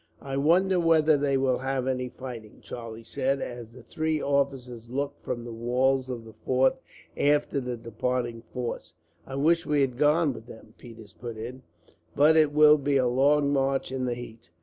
"I wonder whether they will have any fighting," Charlie said, as the three officers looked from the walls of the fort after the departing force. "I wish we had gone with them," Peters put in; "but it will be a long march, in the heat."